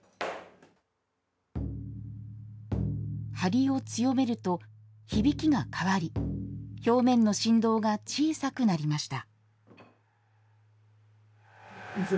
張りを強めると、響きが変わり表面の振動が小さくなりました。